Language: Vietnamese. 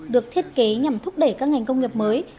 được thiết kế nhằm thúc đẩy các ngành công nghiệp nội địa của mỹ